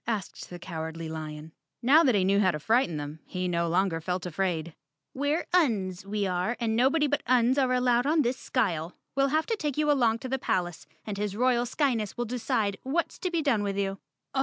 asked the Cowardly Lion. Now that he knew how to frighten them, he no longer felt afraid. "We're Uns, we are, and nobody but Uns are allowed on this skyle. We'll have to take you along to the palace and his royal Skyness will decide what's to be done with you."